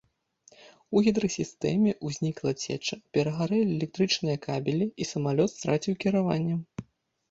У гідрасістэме ўзнікла цеча, перагарэлі электрычныя кабелі і самалёт страціў кіраванне.